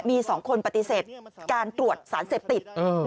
มี๒คนปฏิเสธการตรวจสารเสพติด